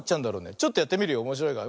ちょっとやってみるよおもしろいから。